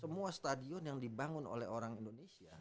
semua stadion yang dibangun oleh orang indonesia